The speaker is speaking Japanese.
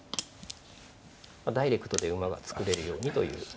ダイレクトで馬が作れるようにという。